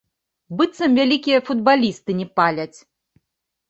Быццам вялікія футбалісты не паляць.